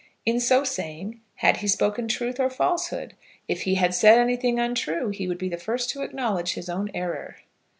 In so saying, had he spoken truth or falsehood? If he had said anything untrue, he would be the first to acknowledge his own error.